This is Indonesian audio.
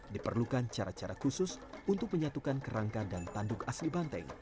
diperlukan cara cara khusus untuk menyatukan kerangka dan tanduk asli banteng